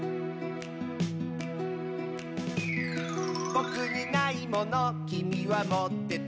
「ぼくにないものきみはもってて」